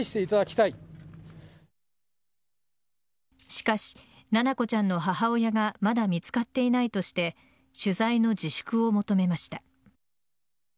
しかし七菜子ちゃんの母親がまだ見つかっていないとして取材の自粛を求めました。